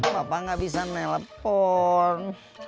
bapak gak bisa melepon